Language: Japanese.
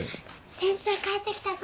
先生帰ってきたぞ。